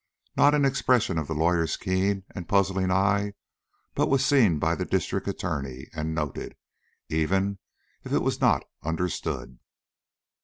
Not an expression of the lawyer's keen and puzzling eye but was seen by the District Attorney and noted, even if it was not understood.